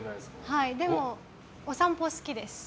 でも、お散歩好きです。